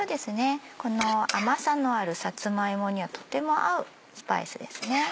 この甘さのあるさつま芋にはとても合うスパイスですね。